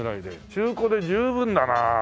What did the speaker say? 中古で十分だなあ。